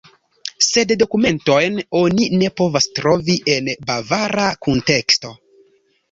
Sed dokumentojn oni ne povas trovi en bavara kunteksto.